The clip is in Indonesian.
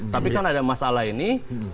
tapi kan ada masalah ini